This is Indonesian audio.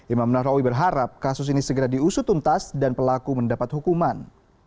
imam nahrawi berharap kasus ini segera diusut untas dan pelaku mendapat hukuman